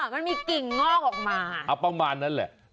มันมีกิ่งงอกออกมาประมาณนั้นแหละ